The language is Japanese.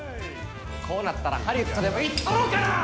こうなったらハリウッドでも行ったろうかな！